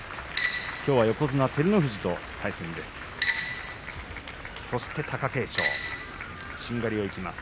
きょうは横綱照ノ富士と対戦です。